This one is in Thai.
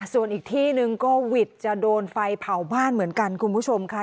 ส่วนอีกที่หนึ่งก็หวิดจะโดนไฟเผาบ้านเหมือนกันคุณผู้ชมค่ะ